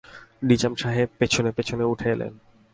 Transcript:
নিজাম সাহেব পেছনে-পেছনে উঠে এলেন।